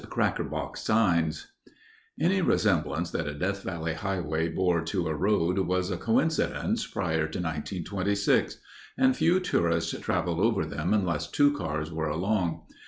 Cracker Box Signs Any resemblance that a Death Valley highway bore to a road was a coincidence prior to 1926, and few tourists traveled over them unless two cars were along.